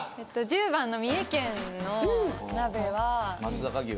１０番の三重県の鍋は松阪牛